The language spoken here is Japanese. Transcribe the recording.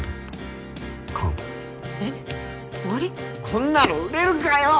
こんなの売れるかよ！